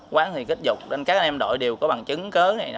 quán thì kích dục nên các anh em đội đều có bằng chứng cứ